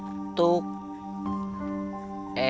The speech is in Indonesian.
kita kita mau ke rumah kembali